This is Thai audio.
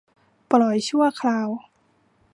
ปล่อยชั่วคราว